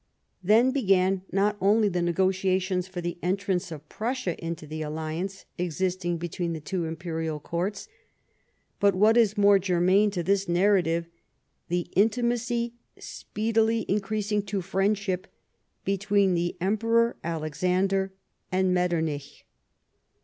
Then began, not only the negotiations for the entrance of Prussia into the alliance existing between the two Imperial Courts ; but, what is more germane to this narrative, the intimacy, speedily increasing to friendship, between the Emperor Alexander and Metternich.